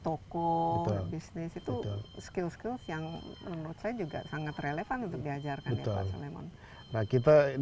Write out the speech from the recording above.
itu skill skill yang menurut saya juga sangat relevan untuk diajarkan ya pak solemon